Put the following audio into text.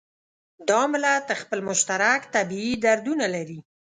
دا ملت خپل مشترک طبعي دردونه لري.